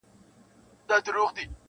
د شهید قبر یې هېر دی له جنډیو-